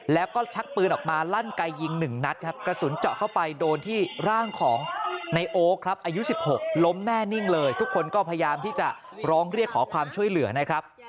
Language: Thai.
แล้วก็ชักปืนออกมาลั่นไกยิงหนึ่งนัดครับกระสุนเจาะเข้าไปโดนที่ร่างของในโอ๊คครับอายุ๑๖ล้มแน่นิ่งเลยทุกคนก็พยายามที่จะร้องเรียกขอความช่วยเหลือนะครับ